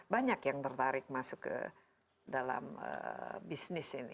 banyak yang tertarik masuk ke dalam bisnis ini